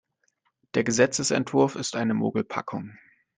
Der Gesetzesentwurf ist eine Mogelpackung.